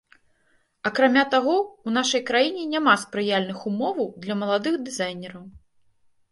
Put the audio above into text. Акрамя таго, у нашай краіне няма спрыяльных умоваў для маладых дызайнераў.